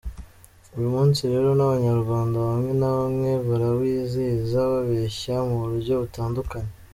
Uyu munsi rero n’Abanyarwanda bamwe na bamwe barawizihiza, babeshya mu buryo butandukanye.